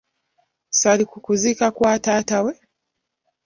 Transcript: "Ssaali ku kuziika kwa taata we.